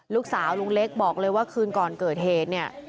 ลูกสาวลุงเล็กบอกเลยว่าคืนก่อนเกิดเหตุเนี่ย